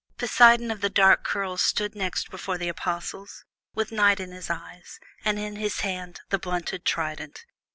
Poseidon of the dark curls next stood before the Apostles, with night in his eyes, and in his hand the blunted trident.